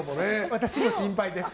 私も心配です。